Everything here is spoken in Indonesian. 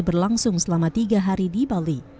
berlangsung selama tiga hari di bali